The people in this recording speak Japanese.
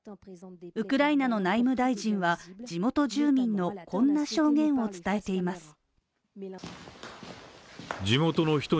ウクライナの内務大臣は、地元住民のこんな証言を伝えています。